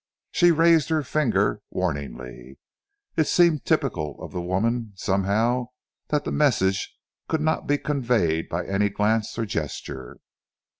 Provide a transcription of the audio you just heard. She raised her finger warningly. It seemed typical of the woman, somehow, that the message could not be conveyed by any glance or gesture.